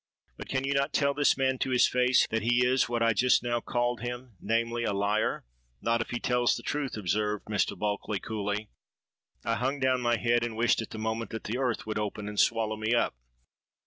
But can you not tell this man to his face that he is what I just now called him; namely, a liar?'—'Not if he tells the truth,' observed Mr. Bulkeley coolly.—I hung down my head, and wished at the moment that the earth would open and swallow me up.